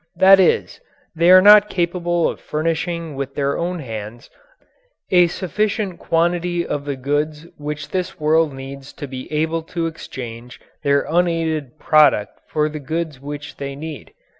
That is, they are not capable of furnishing with their own hands a sufficient quantity of the goods which this world needs to be able to exchange their unaided product for the goods which they need.